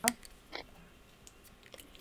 জনগণের কাছে ভালো সম্মান আছে তাদের।